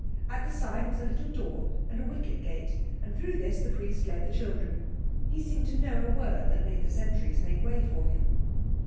At the side was a little door and a wicket gate, and through this the priest led the children. He seemed to know a word that made the sentries make way for him.